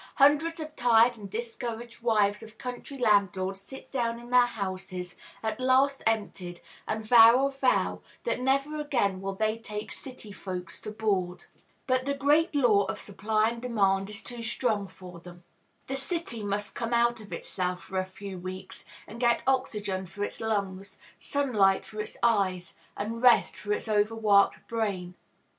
Hundreds of tired and discouraged wives of country landlords sit down in their houses, at last emptied, and vow a vow that never again will they take "city folks to board." But the great law of supply and demand is too strong for them. The city must come out of itself for a few weeks, and get oxygen for its lungs, sunlight for its eyes, and rest for its overworked brain.